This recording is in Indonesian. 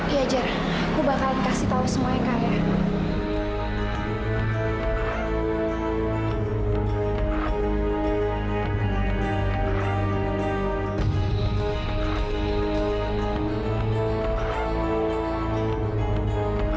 iya jer aku bakalan kasih tahu semuanya kak